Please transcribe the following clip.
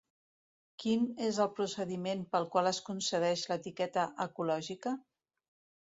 Quin és el procediment pel qual es concedeix l'etiqueta ecològica?